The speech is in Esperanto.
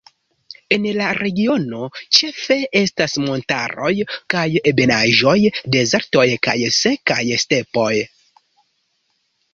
En la regiono ĉefe estas montaroj kaj ebenaĵoj, dezertoj kaj sekaj stepoj.